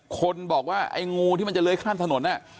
คนบอกว่าไอ้งูที่มันจะเลื้อยข้ามถนน